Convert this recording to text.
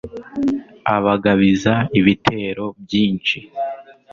abagabiza ibitero byinshi